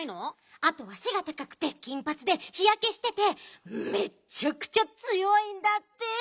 あとはせがたかくて金ぱつで日やけしててめっちゃくちゃつよいんだって！